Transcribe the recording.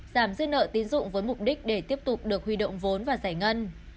giảm dư nợ tín dụng với mục đích để tiếp tục được huy động vốn và giải ngân